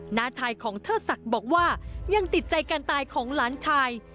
หน้าชายของเทิดศักดิ์บอกว่ายังติดใจการตายของหลานชาย